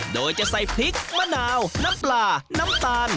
โดยจะใส่พริกมะนาวน้ำปลาน้ำตาล